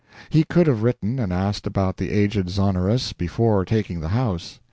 He could have written and asked about the aged Zonoras before taking the house.